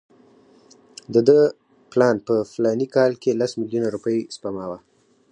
د ده پلان په فلاني کال کې لس میلیونه روپۍ سپما وه.